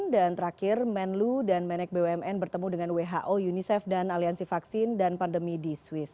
dan terakhir menlu dan menek bumn bertemu dengan who unicef dan aliansi vaksin dan pandemi di swiss